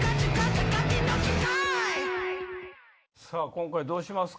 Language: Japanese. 今回どうしますか？